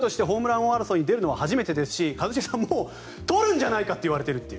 日本人としてホームラン王争いに出るのは初めてですし一茂さんもう取るんじゃないかといわれている。